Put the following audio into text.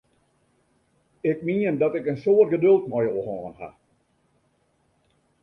Ik mien dat ik in soad geduld mei jo hân ha!